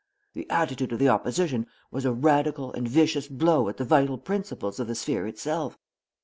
The attitude of the opposition was a radical and vicious blow at the vital principles of the sphere itself.